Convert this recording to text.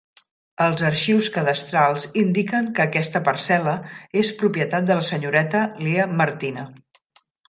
Els arxius cadastrals indiquen que aquesta parcel·la és propietat de la senyoreta Leah Martina.